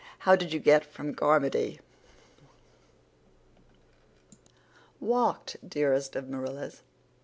How did you get from Carmody?" "Walked, dearest of Marillas.